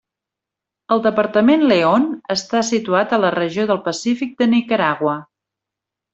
El departament León està situat a la regió del Pacífic de Nicaragua.